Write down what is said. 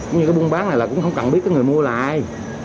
như cái buôn bán này là cũng không cần biết người mua là ai